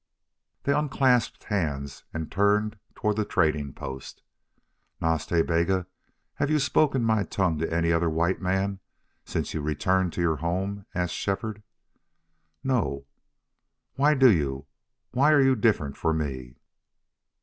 They unclasped hands and turned toward the trading post. "Nas Ta Bega, have you spoken my tongue to any other white man since you returned to your home?" asked Shefford. "No." "Why do you why are you different for me?"